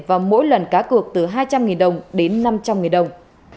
và mỗi lần cá cược từ hai trăm linh đồng đến năm trăm linh đồng